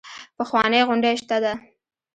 پخوانۍ غونډۍ شته ده.